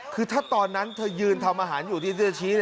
คือถ้าตอนนั้นเธอยืนทำอาหารอยู่ที่เสื้อชี้